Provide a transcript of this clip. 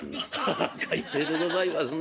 「ハハ快晴でございますな」。